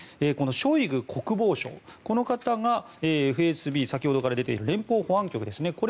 このショイグ国防相この方がＦＳＢ先ほどから出ている連邦保安局ですね